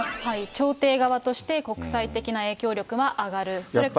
調停側として、国際的な影響力は上がる。